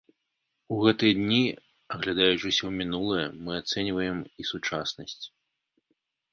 У гэтыя дні, аглядаючыся ў мінулае, мы ацэньваем і сучаснасць.